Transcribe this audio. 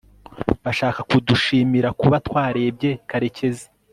bashaka kudushimira kuba twarebye karekezi